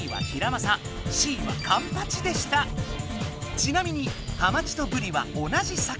ちなみにハマチとブリは同じ魚。